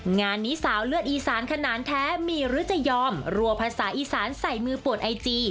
งานนี้สาวเลือดอีสานขนาดแท้มีหรือจะยอมรัวภาษาอีสานใส่มือปวดไอจี